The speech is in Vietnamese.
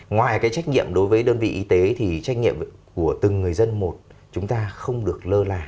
ngoài cái trách nhiệm đối với đơn vị y tế thì trách nhiệm của từng người dân một chúng ta không được lơ là